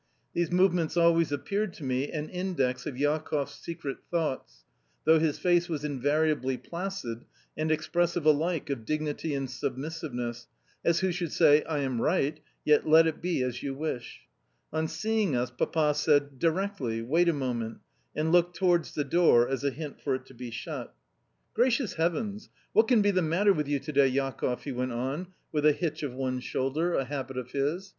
These movements always appeared to me an index of Jakoff's secret thoughts, though his face was invariably placid, and expressive alike of dignity and submissiveness, as who should say, "I am right, yet let it be as you wish." On seeing us, Papa said, "Directly wait a moment," and looked towards the door as a hint for it to be shut. "Gracious heavens! What can be the matter with you to day, Jakoff?" he went on with a hitch of one shoulder (a habit of his).